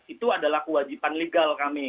itu adalah kewajiban legal kami